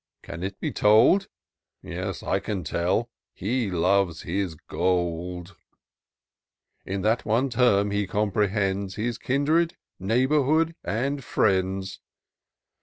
can it be told ? Yes, I can tell :— he loves his gold : In that one term he comprehends His kindred, neighbourhood, and friends.